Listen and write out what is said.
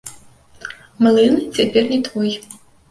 Млын цяпер не твой.